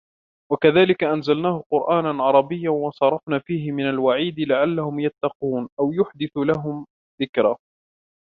وَكَذَلِكَ أَنْزَلْنَاهُ قُرْآنًا عَرَبِيًّا وَصَرَّفْنَا فِيهِ مِنَ الْوَعِيدِ لَعَلَّهُمْ يَتَّقُونَ أَوْ يُحْدِثُ لَهُمْ ذِكْرًا